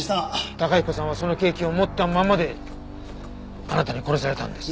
崇彦さんはそのケーキを持ったままであなたに殺されたんです。